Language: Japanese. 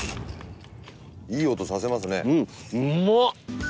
いい音させますね。